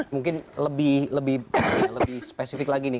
mungkin lebih spesifik lagi nih